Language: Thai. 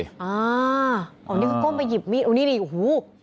อ๋าาอันนี้เขาก้มไปหยิบมีดอันนี่นี่โห